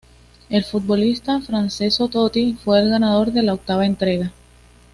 El futbolista Francesco Totti fue el ganador de la octava entrega.